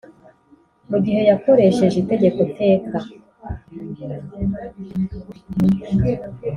Mu gihe yakoresheje itegeko teka